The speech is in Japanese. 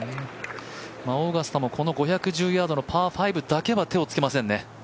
オーガスタもこの５１０ヤードのパー５だけは手をつけませんね。